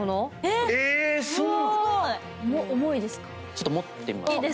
ちょっと持ってみますか。